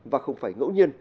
và không phải ngẫu nhiên